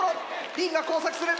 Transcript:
リングが交錯する！